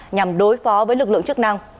nhằm đối phó với lực lượng chức năng